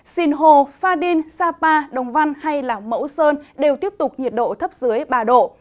sìn hồ pha đinh sa pa đồng văn hay mẫu sơn đều tiếp tục nhiệt độ thấp dưới ba độ